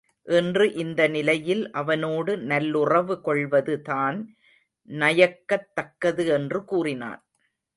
இன்று இந்த நிலையில் அவனோடு நல்லுறவு கொள்வது தான் நயக்கத் தக்கது என்று கூறினான்.